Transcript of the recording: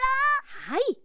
はい。